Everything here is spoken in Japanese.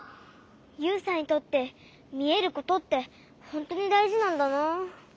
ユウさんにとってみえることってほんとにだいじなんだな。